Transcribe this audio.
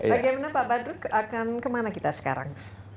bagaimana pak badruk akan kemana kita sekarang